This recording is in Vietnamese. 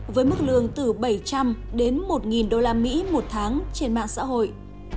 với mức lương từ bảy trăm linh đến một usd một tháng trên mạng xã hội